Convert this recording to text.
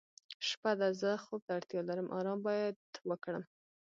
شپه ده زه خوب ته اړتیا لرم آرام باید وکړم.